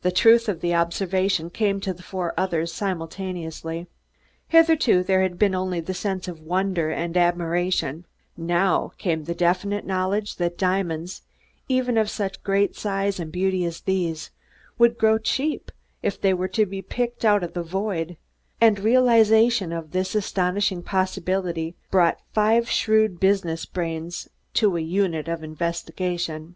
The truth of the observation came to the four others simultaneously. Hitherto there had been only the sense of wonder and admiration; now came the definite knowledge that diamonds, even of such great size and beauty as these, would grow cheap if they were to be picked out of the void; and realization of this astonishing possibility brought five shrewd business brains to a unit of investigation.